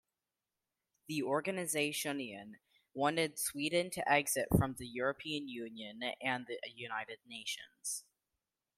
The organizationion wanted Sweden to exit from the European Union and the United Nations.